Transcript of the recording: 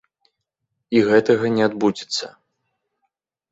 І гэтага не адбудзецца.